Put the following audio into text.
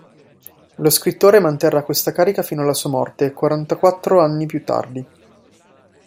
Lo scrittore manterrà questa carica fino alla sua morte, quarantaquattro anni più tardi.